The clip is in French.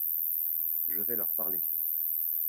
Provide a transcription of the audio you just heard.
Je vais leur parler.